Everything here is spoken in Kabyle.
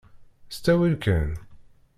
S ttawil kan.